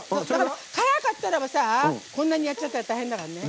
辛かったらばさこんなやったら大変だから。